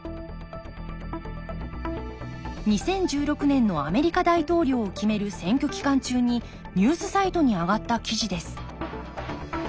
２０１６年のアメリカ大統領を決める選挙期間中にニュースサイトに上がった記事です